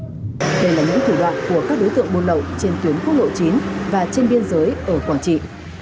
đây là những thủ đoạn của các đối tượng buôn lậu trên tuyến quốc lộ chín và trên biên giới ở quảng trị